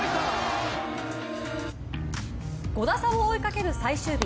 ５打差を追いかける最終日。